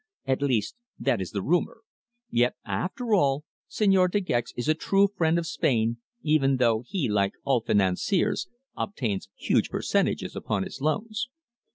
At least that is the rumour. Yet, after all, Señor De Gex is a true friend of Spain, even though he, like all financiers, obtains huge percentages upon his loans."